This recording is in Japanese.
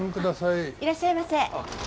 いらっしゃいませ。